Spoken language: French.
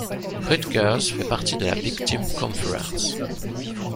Rutgers fait partie de la Big Ten Conference.